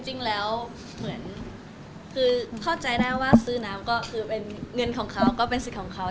จริงแล้วเหมือนคือเข้าใจได้ว่าซื้อน้ำก็คือเป็นเงินของเขาก็เป็นสิทธิ์ของเขา